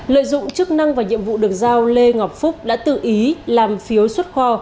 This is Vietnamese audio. lợi dụng chức năng và nhiệm vụ được giao lê ngọc phúc đã tự ý làm phiếu xuất kho